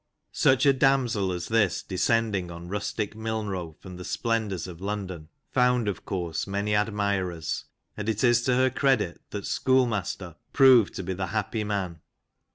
Such a damsel as this descending on rustic Milnrow, from the splendours of London, found, of course, many admirers, and it is to her credit that " schoolmaster " proved to be the happy man.